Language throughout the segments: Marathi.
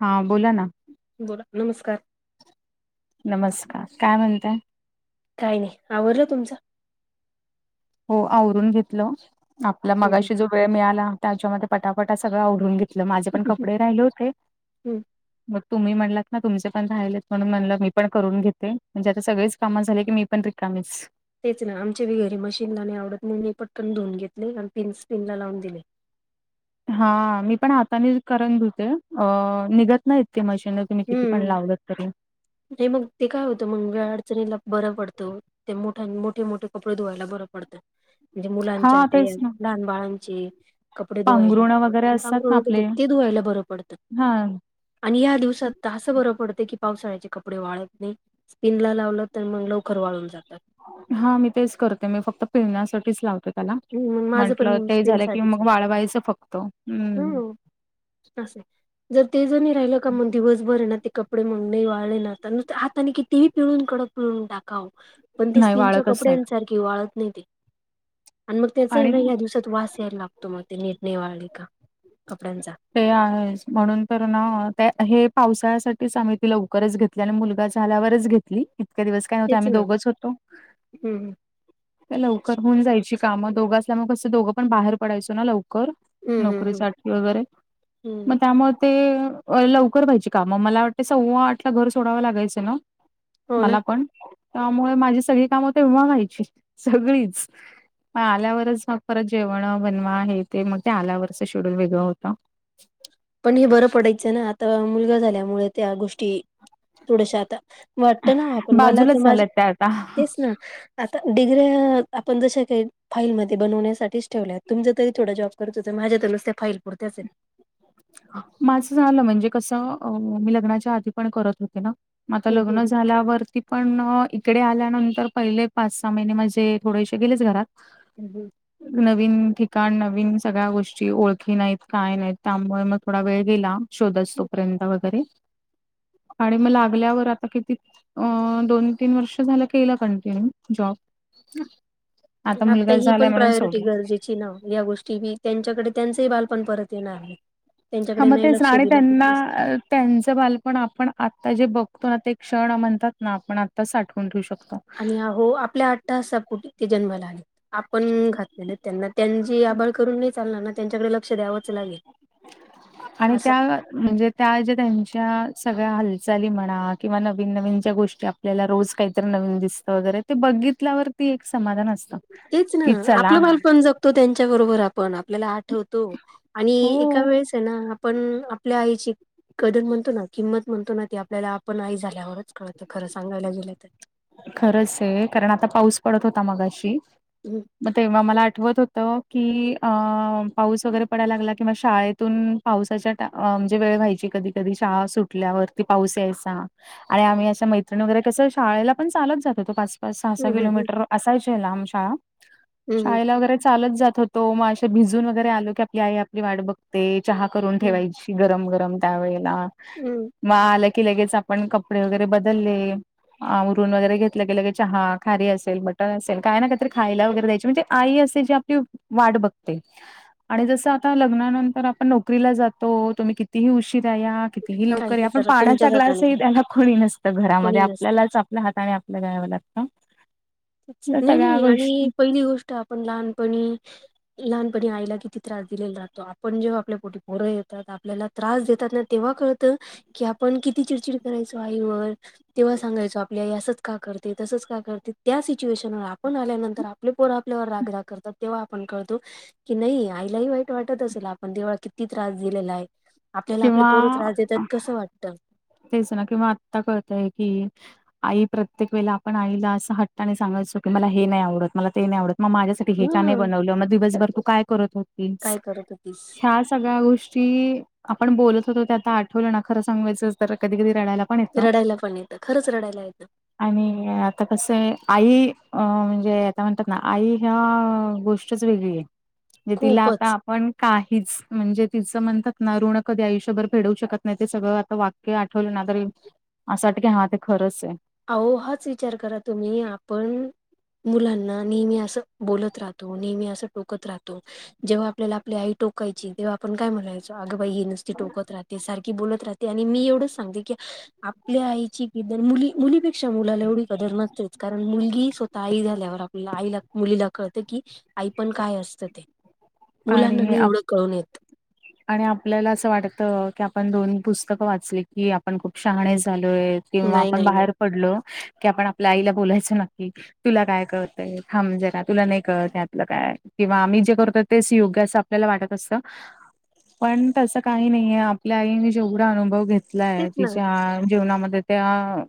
हा बोला ना बोला नमस्कार नमस्कार काय म्हणतय? काय नाही आवडलं तुमचं हो आवरून घेतलं आपला हम्म मगाशी जो वेळ मिळाला त्याच्यामध्ये पटापटा सगळं आवरून घेत माझे पण कपडे राहिले होते. हं मग तुम्ही म्हणलात ना तुमचे पण राहिले म्हणून म्हणलं मी पण करून घेते म्हणजे आता सगळीच काम झाले की मी पण रिकामीच तेच ना आमच्या व घरी मशीनला नाही आवडत मी मी पटकन धुवून घेतले आणि पिन स्पिन लावून दिले. हा मी पण आतानी करून धुते होते अ निघत नाही इतक मशीन, तुम्ही किती पण हम्म लावलत तरी नाही मग ते काय होतं मग वेळ अडचणीला बरं पडतं ते मोठ्या मोठे मोठे कपडे धुवाय बरं पडतं म्हणजे मुलांच्या हा ते तेच ना लहान बाळांची कपडे पांघरुण वगैरे असतात ना धुवायलाग आपले ते धुवायला बरं पडतं हा आणि या दिवसात तर असं बरं पडते की पावसाळ्याचे कपडे वाळत नाही स्पिन लावलं तर मग लवकर वाळून जातात हा मी तेच करते मी फक्त पिळण्यासाठीच लावते त्याला हम्म, मग माझं म्हंटलं पण ते झालं की मग वाळवायचं फक्त हम्म. ह असं जर ते जणी राहिलं का मग दिवसभर ना ते कप कपडे म्हण नाही वाळले ना आता हाताने कितीही पिळून करून पिळून टाकावं पण ती नाही स्पिनच्या वाळतच नाहीत कपड्यांसारखी वाळत नाही ते आणि मग त्याचा आहे ना या दिवसात वास यायला लागतो मग ते नीट निवाळले का कपड्यांचा ते आहे म्हणून तर ना त्या हे पावसाळ्यासाठीच आम्ही ती लवकरच घेत आपल्या मुलगा झाल्यावरच घेतली इतके दिवस काय नव्हते तेच आम्ही ना दोघच होतो. हम्म लवकर होऊन जायची कामं दोघ असल्या मग कसं दोघं पण बाहेर पडायचो ना लवकर हम्म हम्म हम्म नोकरीसाठी वगैरे हम्म मग त्यामुळे ते लवकर व्हायची काम मग मला वाटतें सव्वा आठ ला घर सोडावं लागायचं ना हो ना मला पण त्यामुळे माझी सगळी कामं तर व्हायची सगळीच म आल्यावरच परत जेवण बनवा आहे ते मग ते आल्यावरच शेड्यूल वेगळं होत ह पण हे बरं पडायचं ना आता मुलगा झाल्यामुळे त्या गोष्टी थोडश्या आता वाटत ना आपण मला तर बाजूलाच माझ झाल्यात त्या आता. तेच ना आता डिग्री आपण जश काही फाईलमध्ये बनवण्यासाठीच ठेवल्या तुमच्या तरी थोडा जॉब खर्जच माझ्यात नुसत फाईल पुरतच माझं झालं म्हणजे कस मी लग्नाच्या आधी पण करत होते ना आता हं, हं, लग्न हं, झाल्यावरती पण इकडे आल्यानंतंतर पहिले पाच सहा महिने म्हणजे थोडेसे गेलेच घरात ही नवीन ठिकाण नवीन सगळ्या गोष्टी ओळखी नाहीत काय नाहीत त्यामुळे मग थोडा वेळ गेला शोधच तोपर्यंत वगैरे आणि मग लागल्यावर आता किती अ दोन तीन वर्ष झालं केलं कंटिन्यू जॉब आता मुलगा ही झालाय पण म्हणून प्रायोरिटी सोडला. गरजेची ना या गोष्टीी त्यांच्याकडे त्यांचंही बाल पण परत ते ना हां, त्यांच्याकडे मग नाही तेच ना लक्ष आणि दिलं ते त्यांना अ, त्यांचं बालपण आपण आता जे बघतो ना ते क्षण म्हणतात ना आपण आता साठवून ठेवू शकतो आणि हो आपल्या आठ तासा पोठी ते जन्माला आले आपण घातले ना त्यांना त्यांची आबाळ करून नाही चालणार ना त्यांच्याकडे लक्ष द्यावंच लागेल आणि असं. त्या म्हणजे त्या ज्या त्यांच्या सगळ्या हालचाली म्हणा किंवा नवीन नवीन ज्या गोष्टी आपल्याला रोज काहीतरी नवीन दिसतं वगैरे ते बघितल्यावरती एक समाधान असतं तेच ना की चला आपलं बालपण जगतो त्यांच्याबरोबर आपण आपल्याला आ ठेवतो आणि एका हो, वेळेस आहे ना आपण आपल्या आईची कदर म्हणतो ना किंमत म्हणतो ना ते आपल्याला आपण आई झाल्यावरच कळत खरं सांगायला गेलं तर खरंच आहे कारण आता पाऊस पडत होता मगाशी हम्म मग तेव्हा मला आठवत होत कि अ पाऊस वगैरे पडायला लागला किंवा शाळेतून पावसाच्या म्हणजे वेळ व्हायची कधी कधी शाळा सुटल्यावरती पाऊस यायचा आणि आम्ही अशा मैत्रणी वगैरे कस शाळेला पण चालत जातो तो पाच पाच सहा सहा हम्म हम्म हम्म किलोमीटर असायची आहे आम शाळा हम्म. शाळेला वगैरे चालत जात होतो मग असे भिजून वगैरे आलो की आपली आई आपली वाट बघ ते चहा करून हम्म ठेवायची गरम गरम त्यावेेळेला हम्म मग आलं की लगेच आपण कपडे वगैरे बदलले ून वगैर घेतलं गेलं चहा खारी असेल बटर असेल काय ना का तरी खायला वगैरे द्यायची म्हणजे आई असे जे आपली वाट बघते आणि जसं आता लग्नानंतर आपण नोकरीला जातो तुम्ही कितीही उशीरा या या ही लवकर काही आपण करा पाण्याचा तुमच्याच हाताने करा ग्लासही त्याला कोणी नसत कोणी घरामध्ये नसतं. आपल्यालाच हाता आणि आपल्या गा लागत नाही नाही आणि पहिली गोष्ट आपण लहानपणी लहानपणी आईला किती त्रास दिलेला जहतो आपण जेव्हा आपल्या पोटी पोरं येतात आपल्याला त्रास देतात ना तेव्हा कळत की आपण किती चिडचिड करायचो आईवर तेव्हा सांगायचो आपल्या असंच का करते तसंच का करते त्या सिच्युएशनवर आपण आल्यानंतर आपले पोर आपल्यावर रागराग करतात तेव्हा आपण कळतो कि नाही आईलाही वाईट वाटत असेल आपण तेव्हा किती त्रास दिलेला आहे आपल्याला आपले पोर त्रास किंवा देतात कसं वाटतं तेच ना कि म आता कळतय की आई प्रत्येक वेला आपण आईला असं हट्टताने सांगायचो की मला हे नाही आवडत मला ते नाही आवडत मग माझ्या ब ह म दिवसभर तू काय करत हो काय करत होतीस. ह सगळ्या गोष्ट ी आपण बोलत होतो ते आता आठवलं ना खरं सांगायचं तर कधी कधी रडयलात रडायला पण येतं खरंच रडायला येतं आणि आता कसं आई अ म्हणजे आता म्हणतात ना आई ह्या गोष्टी गोष्ट च वेगळी आहे तिला आता खूपच आपण काही म्हणजे त म्हण ना ऋण कधी आयुष्यभर फेडू शकत नाही ते सगळं आता वाक्य आठवलं ना तरर असं वाट की ह ते खरंच आहे अह हाच विचार करा तुम्ही आपण मुलांना नेहमी असं बोलत राहतो नेहमी असं टोकत राहतो जेव्हा आपल्या आपली आई टोकायची तेव्हा आपण काय म्हणायचो अगं बाई हे नसती टोकत राहते सारखी बोलत राहते त्यानी मी एवढंच सांगते की आपल्या आईची किदन मुली मुलीपेक्षा मुलाला एवढी कदर नसतेच कारण मुलगी स्वतः आई झाल्यावर आपल्या आईला मुलीला कळते की आई पण काय असतं ते मुलांना आणि एवढं कळून येत आणि आपल्याला असं वाटत की आपण दोन पुस्तक वाचली की आपण खूप शहाणे झालोय किंवा नाही आपण नाही नाही बाहेर पडलो की आपण आपल्या आईला बोलायचं नक्की तुला काय कळतय मजे ना तुला नाही कळततलं काय किंवा आम्ही जे करतो तेच योग्य अस त्याला वाटत असत पण तसं काही नाहीये आपल्या आईने जेवढा अनुभव घेतलाय तेच ना तिच्या जेवणामध्ये त्या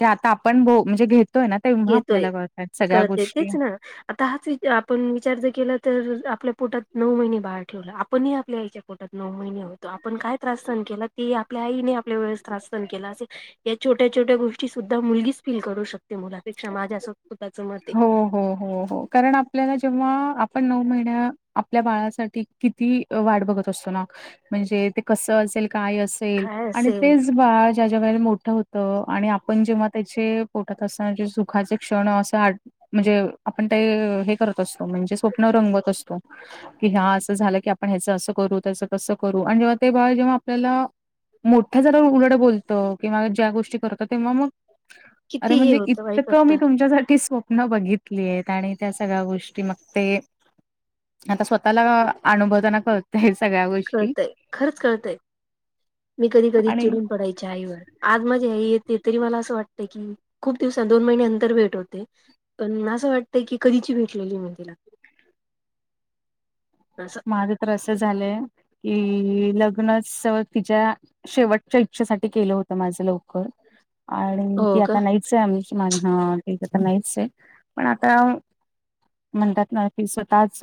जे आता आपण म्हणजे घेतोय ना तेव्हा घेतोय आपल्याला कळतात ते सगळ्या कळते गोष्टी तेच ना आता हाच वि आपण विचार जर केला तर आपल्या पोटात नऊ महिने बाहेर ठेवला आपणही आपल्या याच्या पोटात नऊ महिने होतो आपण काय त्रासस्ान केला ते आपल्या आईने आपल्या वेळेस त्रास सान केला असे या छोट्या छोट्या गोष्टी सुद्धा मुलगीच फील करू शकते मुलापेक्षा माझ्या अस हो हो हो हो कारण आप आपल्याला जेव्हा आपण नऊ महिन्या आपल्या बाळासाठी किती वाट बघत असतो ना म्हणजे ते कस असेल काय असेल काय आणि असेल ते जे बाळ ज्या ज्या वेळेला मोठं होत आणि आपण जेव्हा त्याचे पोटात असताना जे सुखाचे क्षण असं म्हणजे आपण ते हे करत असतो म्हणजे स्वप्न रंगवत असतो कि हा असं झालं की आपण ह्याच असं करू त्याच कसं करू आणि जेव्हा ते बाळ जेव्हा आपल्याला मोठ्या झाल्यावर उलट बोलतं किंवा ज्या गोष्टी करतं तेव्हा मग अरे किती हे म्हणजे होतं वाईट इतकं मी वाटतं तुमच्यासाठी स्व प्न बघितली आहेत आणि त्या सगळ्या गोष्टी मग ते आता स्वतःला अनुभवताना कळ.. कळतय खरंच कळतय मी कधी कधी आणि चिडून पडायचे आईवर आज माझी आई येते तरी मला असं वाटतं की खूप दिवसा दोन महिन्या अंतर भेट होते पण असं वाटतय की कधीची भेटलेली मी तिला असं माझं तर असं झालंय की लग्नच तिच्या शेवटच्या इच्छेसाठी केलं होतं माझं लवकर आणि हो ती का? आता नाहित [unintelligible] ठीक तर ती आता नाहीच आहे पण आता म्हणतात ना कि स्वतःच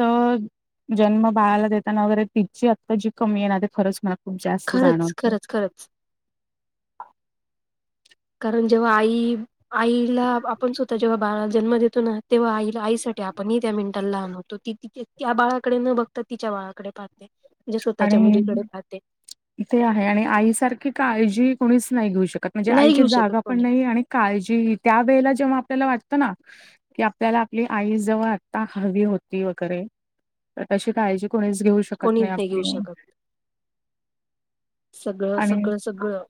जन्म बाळाला देताना वगैरे तिची आत्ता जी कमी आहे ना ते खरंच मला खूप जास्त खरंच, जाणवते खरंच, खरंच कारण जेव्हा आई आईला आपण स्वतः जेव्हा बाळा जन्म देतो ना तेव्हा आईला आईसाठी आपणही त्या मिनटांला लहान होतो ती त्या बाळाकडे न बघ त तिच्या बाळाकडे पाहते स्वतःच्या आणि मुलीकडे पाहते. ते आहे आणि आईसारखी का काळजी कोणीच नाही घेऊ शकत म्हणजे नाही आईची घेऊ शकत जागा पण कोणी. नाही आणि काळजी त्या वेळेला जेव्हा आपल्याला वाटतं ना कि आपल्याला आपली आई जवळ आत्ता हवी होती वगैरे तशी काळजी कोणीच घेऊ शक कोणीच नाही घेऊ शकत सगळं आणि सगळं सगळं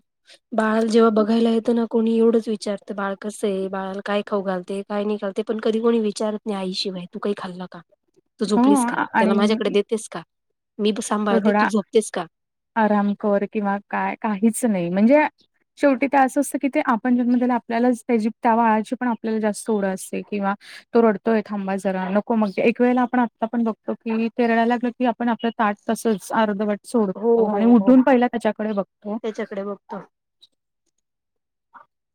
बाळ जेव्हा बघायला येत ना कोणी एवढंच विचारतं बाळ कसं आहे बाळा काय खाऊ घालते काही नाही करते पण कधी कोणी विचारत नाही आईशिवाय तू काही खाल्लं का तू हो झोपलीस का त्याला आणि माझ्याकडे देतेस का मी त सांभाळते तू झोपतेस का आराम कर किंवा काय काहीच नाही म्हणजे शेवटी ते असं असतं की ते आपण जन्म त्याला आपल्याला त्याची त्या बाळाची पण आपल्याला जास्त ओढ असते किंवा तो रडतोय थांबा जरा नको मग एक वेळेला आपण आत्ता पण बघतो की ते रडायला लागलं की आपण आपल्या ताट तसच अर्धवट हो, सोडतो आणि हो, उठून पहिला त्याच्याकडे बघतो त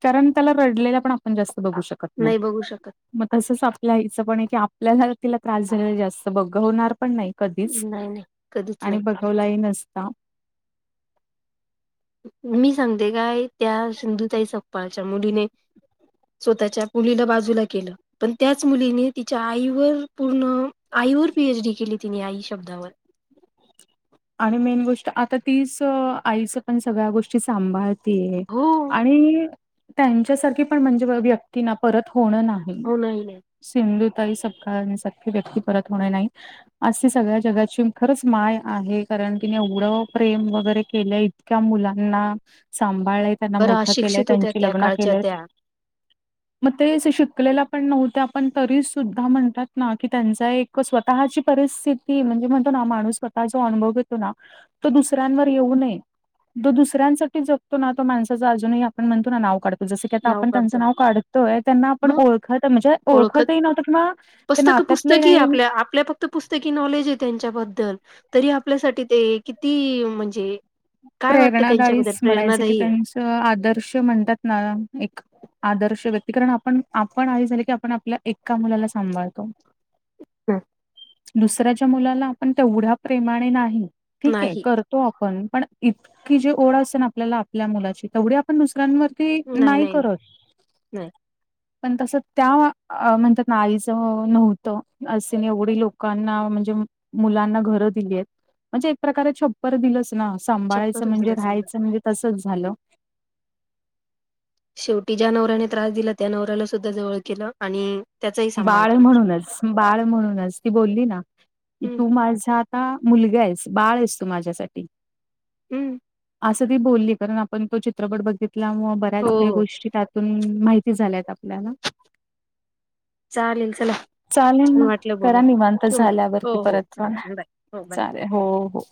कारण त्याला रडलेला पण आपण जास्त बघू शकत नाही बघू शकत मग तसंच आपल्या आईचं पण आहे की आपल्याला तिला त्रास झालेला जास्त बघवणार पण नाही कधीच नाही नाही कधीच आणि नाही बघवलाही नसता मी सांगते काय त्या सिंधुताई सपकाळच्या मुलीने स्वतःच्या मुलीला बाजूला केलं पण त्याच मुलीने तिच्या आईवर पूर्ण आईवर पीएचडी केली तिने आई शब्दावर आणि मेन गोष्ट आता तीच आईचं पण सगळ्या गोष्टी सांभाळ तिये हो आणि त्यांच्यासारखी पण म्हणजे व्यक्ती ना परत होणं नाही हो नाही नाही सिंधुताई सपकाळ सारखी व्यक्ती परत होणे नाही आज ती सगळ्या जगाची खरंच माय आहे कारण की एवढं प्रेम वगैरे केलं इतक्या मुलांना सांभाळले त्यांना बरं मोठं केलंय अशिक्षित होत्या त्यांची त्या लग्न काळच्या केलंय त्या मग ते असे शिकलेला पण नव्हत्या आपण तरी सुद्धा म्हणतात ना की त्यांचा एक स्वतःची परिस्थिती म्हणजे म्हणतो ना माणूस स्वतः जो अनुभव येतो ना तो दुसऱ्यांवर येऊ नये दो दुसऱ्यांसाठी जगतो ना तो माणसाचचा अजूनही आपण म्हणतो ना नाव काढतो जसं की आता आपण त्यांचं नाव काढतोय त्यांना आपण मग ओळखत म्हणजे ओळखत ओळखतही नव्हतो किंवा ते पुस्तक नात्यातलंही पुस्तकी नाही आपल्या आपल्या त पुस्तकी नॉलेज आहे त्यांच्याबद्दल तरी आपल्यासाठी ते किती म्हणजे काय वाटतं त्यांच्याबद्दल प्रेरणादायीच म्हणायचं की प्रेरणादायी त्यांच आदर्श म्हणतात ना एक आदर्श व्यक्ती कारण आपण आपण आ झाले की आपण आपल्या एका मुलाला सांभाळतो अच् हा दुसऱ्याच्या मुलाला आपण तेवढ्या प्रेमाने नाही ठीक आहे नाही करतो आपण पण इतकी जे ओढ असते ना आपल्याला आपल्या मुलाची तेवढी आपण दुसऱ्यांवर त नाही करत नाही पण तसं त्या म्हणतात आईच नव्हतं असे एवढी लोकांना म्हणजे मुलांना घर दिली आहेत म्हणजे एक प्रकारे छप्पर दिलंच ना सांभाळायचं चप्पल म्हणजे तिला सांभाळ राहायचं म्हणजे तसंच झालं शेवटी ज्या नवऱ्याने त्रास दिला त्या नवऱ्याला सुद्धा जवळ केला आणि त्याचा एक बाळ म्हणूनच बाळ म्हणूनच ती बोलली ना की हम्म तू माझ्या मुलगा आहेस बाळ आहेस तू माझ्यासाठी हम्म असं ती बोलली कारण आपण तो चित्रपट बघितलामु बऱ्याच हो काही हो गोष्टी त्यातून माहिती झाल्यात आपल्याला चालेल चला चालेल छान मग वाटलं करा बोलून निवांत ठेवू झाल्यावरती हो हो परत प चालेल बाय हो बाय चालेल हो हो